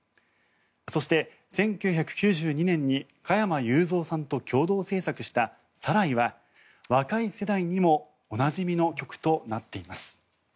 そして、１９９２年に加山雄三さんと共同制作した「サライ」は若い世代にもおなじみの曲となっています。